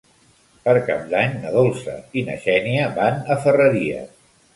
Per Cap d'Any na Dolça i na Xènia van a Ferreries.